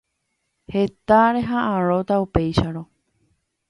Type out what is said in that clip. Heta reha'ãrõta upéicharõ.